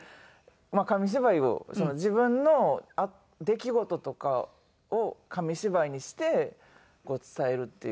まあ紙芝居を自分の出来事とかを紙芝居にして伝えるっていう。